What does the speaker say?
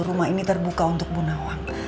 rumah ini terbuka untuk bu nawang